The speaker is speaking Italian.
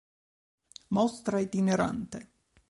Mostra itinerante.